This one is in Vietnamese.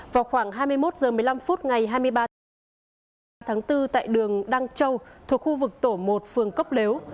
vào khoảng hai mươi một h một mươi năm ngày hai mươi ba tháng bốn tại đường đăng châu thuộc khu vực tổ một phường cốc lếu